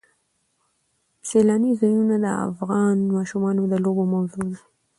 سیلاني ځایونه د افغان ماشومانو د لوبو موضوع ده.